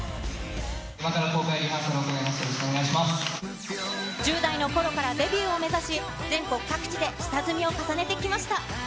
今から公開リハーサルを行い１０代のころからデビューを目指し、全国各地で下積みを重ねてきました。